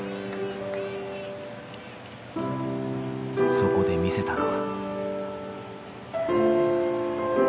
そこで見せたのは。